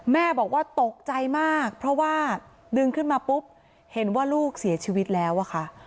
แม่บอกว่าตกใจมากเพราะว่าดึงขึ้นมาปุ๊บเห็นว่าลูกเสียชีวิตแล้วอะค่ะ